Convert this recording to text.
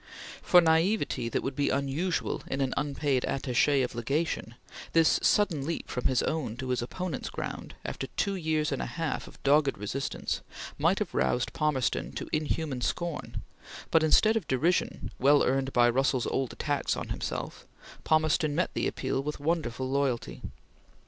For naivete that would be unusual in an unpaid attache of Legation, this sudden leap from his own to his opponent's ground, after two years and a half of dogged resistance, might have roused Palmerston to inhuman scorn, but instead of derision, well earned by Russell's old attacks on himself, Palmerston met the appeal with wonderful loyalty.